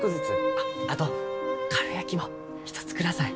あっあとかるやきも１つください。